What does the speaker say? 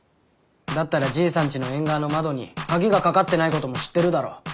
だったらじいさんちの縁側の窓に鍵がかかってないことも知ってるだろ。